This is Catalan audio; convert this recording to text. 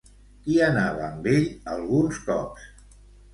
Qui anava amb ell, alguns cops?